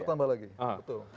bertambah lagi betul